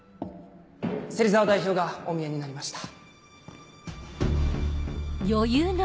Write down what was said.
・芹沢代表がおみえになりました。